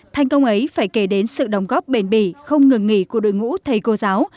thành công ấy phải kể đến sự đóng góp bền bỉ không ngừng nghỉ của đội ngũ thầy cô giáo